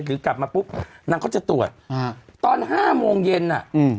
หรือกลับมาปุ๊บนางก็จะตรวจอ่าตอนห้าโมงเย็นอ่ะอืม